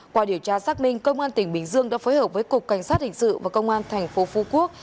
qua điều tra xác minh công an tỉnh bình dương đã phối hợp với cục cảnh sát hình sự và công an tp phu quốc